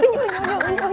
yuk mas al